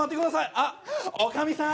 あっ女将さん！